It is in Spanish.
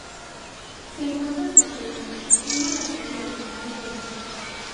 Se encuentra subterránea, siendo la estación terminal de esta.